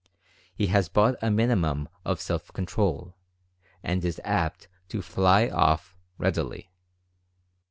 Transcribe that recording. He has but a mini mum of self control, and is apt to "fly off" readily.